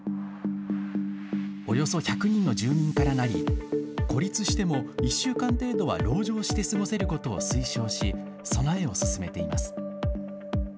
およそ１００人の住人からなり孤立しても１週間程度は籠城して過ごせることを推奨し備えを進めています。